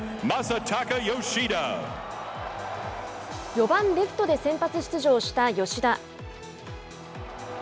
４番レフトで先発出場した吉田。